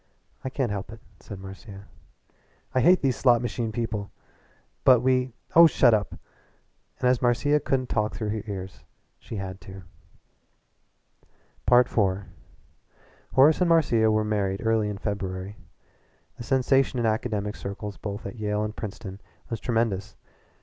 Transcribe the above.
"I can't help it," said Marcia. "I hate these slot machine people!" "But we " "Oh, shut up!" And as Marcia couldn't talk through her ears she had to. IV Horace and Marcia were married early in February. The sensation in academic circles both at Yale and Princeton was tremendous.